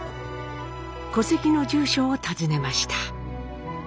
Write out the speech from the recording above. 戸籍の住所を訪ねました。